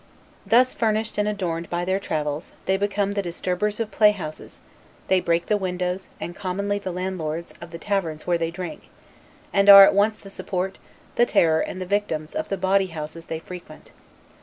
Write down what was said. Thus finished and adorned by their travels, they become the disturbers of play houses; they break the windows, and commonly the landlords, of the taverns where they drink; and are at once the support, the terror, and the victims, of the bawdy houses they frequent.